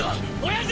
親父！